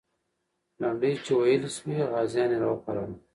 لنډۍ چې ویلې سوې، غازیان یې راوپارول.